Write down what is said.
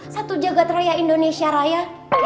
satu jagad raya indonesia raya